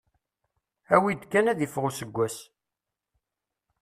Awi-d kan ad iffeɣ useggas.